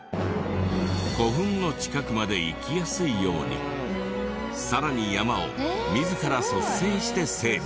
古墳の近くまで行きやすいようにさらに山を自ら率先して整備。